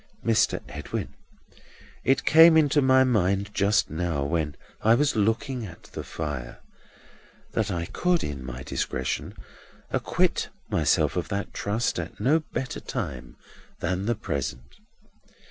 "Mr. Edwin, it came into my mind just now, when I was looking at the fire, that I could, in my discretion, acquit myself of that trust at no better time than the present.